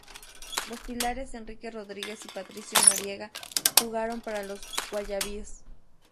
Los pilares Enrique Rodríguez y Patricio Noriega jugaron para los Wallabies.